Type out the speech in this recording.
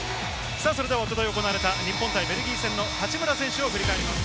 それでは一昨日行われた日本対ベルギーの八村選手を振り返ります。